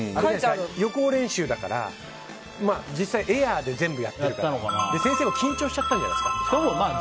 予行練習だから実際エアーで全部やっているから先生も緊張しちゃったんじゃないですか？